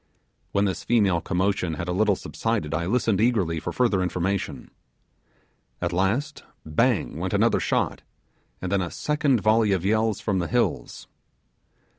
When this female commotion had a little subsided I listened eagerly for further information. At last bang went another shot, and then a second volley of yells from the hills.